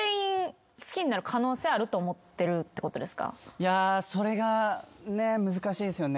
いやそれが難しいんすよね。